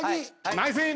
ナイスイン。